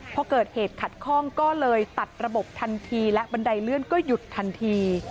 พอเกิดเหตุขัดข้องก็เลยตัดระบบทันทีและบันไดเลื่อนก็หยุดทันที